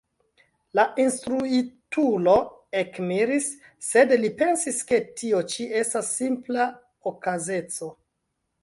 La instruitulo ekmiris, sed li pensis, ke tio ĉi estas simpla okazeco.